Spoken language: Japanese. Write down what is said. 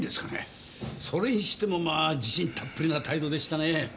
それにしてもまあ自信たっぷりな態度でしたね。